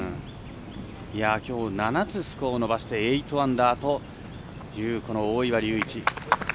きょう７つスコアを伸ばして８アンダーという大岩龍一。